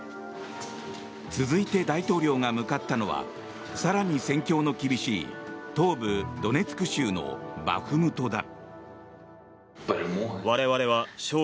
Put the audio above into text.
続いて大統領が向かったのは更に戦況の厳しい東部ドネツク州のバフムトだ。